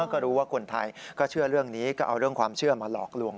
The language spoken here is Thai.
ก็รู้ว่าคนไทยก็เชื่อเรื่องนี้ก็เอาเรื่องความเชื่อมาหลอกลวง